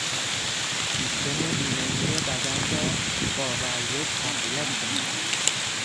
سیستم ایمنی بدن را با ورزش تقویت کنید